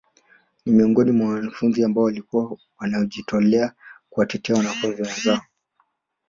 Ni miongoni mwa wanafunzi ambao walikuwa wanajitolea kuwatetea wanafunzi wenzako